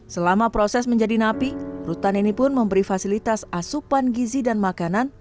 selama proses menjadi napi rutan ini pun memberi fasilitas asupan gizi dan makanan